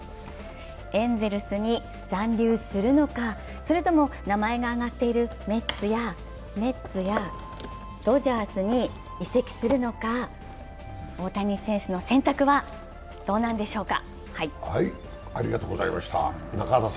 エンゼルスに残留するのか、それとも名前が挙がっているメッツやドジャースに移籍するのか、大谷選手の選択はどうなんでしょうか。